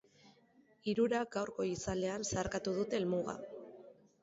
Hirurak gaur goizaldean zeharkatu dute helmuga.